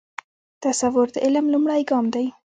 تصور د عمل لومړی ګام دی.